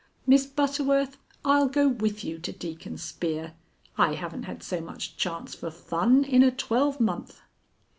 Miss Butterworth, I'll go with you to Deacon Spear. I haven't had so much chance for fun in a twelve month."